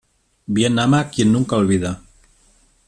Bien ama quien nunca olvida.